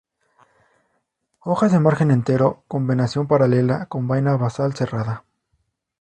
Hojas de margen entero, con venación paralela, con vaina basal cerrada.